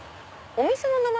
お店の名前？